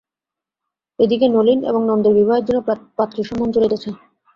এ দিকে নলিন এবং নন্দের বিবাহের জন্য পাত্রীর সন্ধান চলিতেছে।